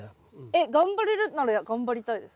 えっ頑張れるなら頑張りたいです。